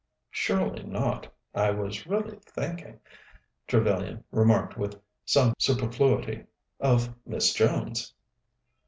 "Surely not. I was really thinking," Trevellyan remarked with some superfluity, "of Miss Jones."